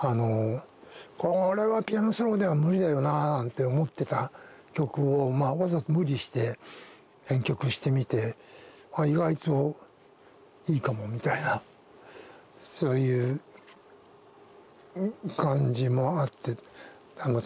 これはピアノソロでは無理だよななんて思ってた曲をわざと無理して編曲してみて意外といいかもみたいなそういう感じもあって楽しい作業でした。